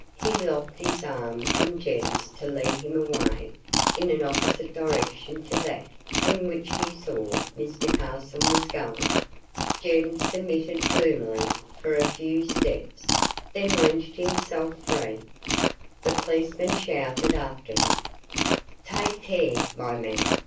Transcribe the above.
He locked his arm in Jem's to lead him away in an opposite direction to that in which he saw Mr. Carson was going. Jem submitted gloomily, for a few steps, then wrenched himself free. The policeman shouted after him, "Take care, my man!